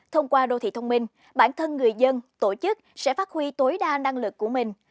thông qua đô thị thông minh bản thân người dân tổ chức sẽ phát huy tối đa năng lực của mình